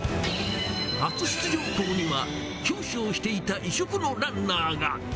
初出場校には、教師をしていた異色のランナーが。